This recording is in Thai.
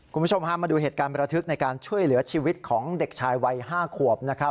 คุณผู้ชมพามาดูเหตุการณ์ประทึกในการช่วยเหลือชีวิตของเด็กชายวัย๕ขวบนะครับ